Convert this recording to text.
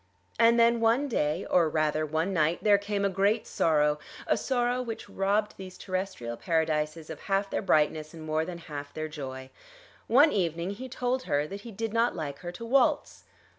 And then one day, or rather one night, there came a great sorrow, a sorrow which robbed these terrestrial Paradises of half their brightness and more than half their joy. One evening he told her that he did not like her to waltz.